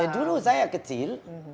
dulu saya kecil